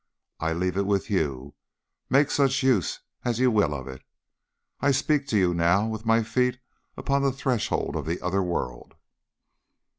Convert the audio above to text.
I leave it with you. Make such use as you will of it. I speak to you now with my feet upon the threshold of the other world.